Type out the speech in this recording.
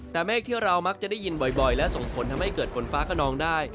แต่เมฆที่เรามักจะได้ยินบ่อยและส่งผลทำให้เกิดฝนฟ้าขนองได้